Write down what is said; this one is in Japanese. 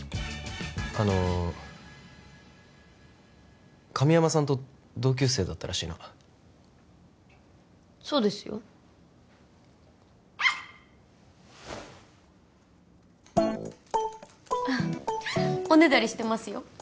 あの神山さんと同級生だったらしいなそうですよおねだりしてますよ